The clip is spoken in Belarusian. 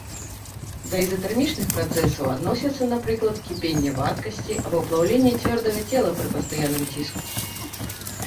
Да ізатэрмічных працэсаў адносяцца, напрыклад, кіпенне вадкасці або плаўленне цвёрдага цела пры пастаянным ціску.